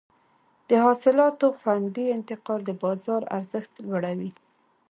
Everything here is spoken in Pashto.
د حاصلاتو خوندي انتقال د بازار ارزښت لوړوي.